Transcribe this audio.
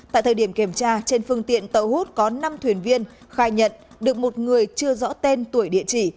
tại thời điểm kiểm tra trên phương tiện tàu hút có năm thuyền viên khai nhận được một người chưa rõ tên tuổi địa chỉ